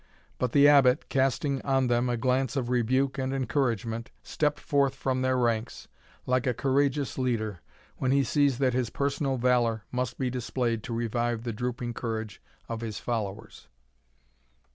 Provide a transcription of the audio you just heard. But the Abbot, casting on them a glance of rebuke and encouragement, stepped forth from their ranks like a courageous leader, when he sees that his personal valour must be displayed to revive the drooping courage of his followers.